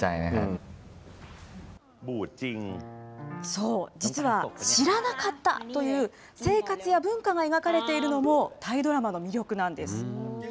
そう、実は知らなかったという生活や文化が描かれているのもタイドラマの魅力なんです。